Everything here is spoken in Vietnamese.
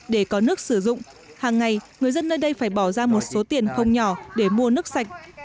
để có nước sử dụng hàng ngày người dân nơi đây phải bỏ ra một số tiền không nhỏ để mua nước sạch